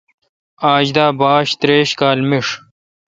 آج دا باش تریش کال میݭ